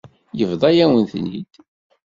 Yebḍa-yawen-ten-id.